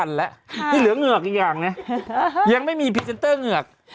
นี่เหลือเหงือกอีกอย่างเนี้ยยังไม่มีพรีเซ็นเตอร์เหงือก